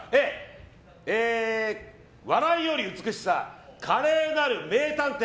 笑いより美しさ、華麗なる名探偵。